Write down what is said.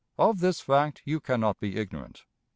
Of this fact you can not be ignorant.